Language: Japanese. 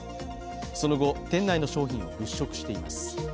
その後、店内の商品を物色しています。